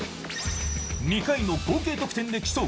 ２回の合計得点で競う